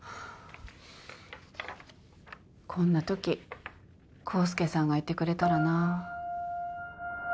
こんなとき康介さんがいてくれたらなぁ。